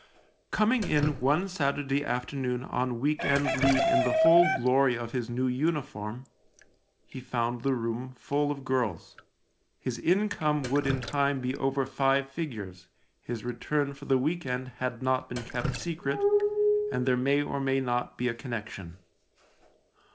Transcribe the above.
Coming in one Saturday afternoon on week end leave in the full glory of his new uniform, he found the room full of girls — his income would in time be over five figures, his return for the week end had not been kept secret, THE LIEUTENANT 3 and there may or may not be a connection.